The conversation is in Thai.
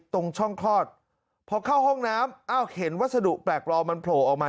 ตรงช่องคลอดพอเข้าห้องน้ำอ้าวเห็นวัสดุแปลกปลอมมันโผล่ออกมา